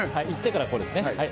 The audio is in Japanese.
言ってからこうですね。